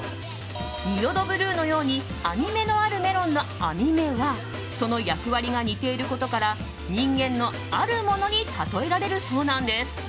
仁淀ブルーのように網目のあるメロンの網目はその役割が似ていることから人間のあるモノに例えられるそうなんです。